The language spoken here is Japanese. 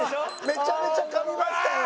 めちゃめちゃ噛みましたよ。